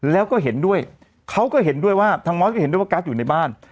แล้วก็เห็นด้วยเขาก็เห็นด้วยว่าทางมอสก็เห็นด้วยว่าการ์ดอยู่ในบ้าน